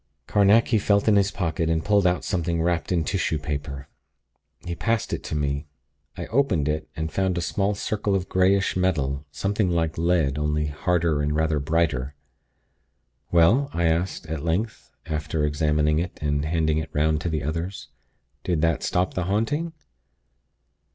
Carnacki felt in his pocket, and pulled out something wrapped in tissue paper. He passed it to me. I opened it, and found a small circle of greyish metal, something like lead, only harder and rather brighter. "Well?" I asked, at length, after examining it and handing it 'round to the others. "Did that stop the haunting?"